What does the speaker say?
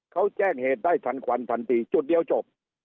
เขาแจ้งเหตุได้ทันควันทันทีจุดเดียวจบ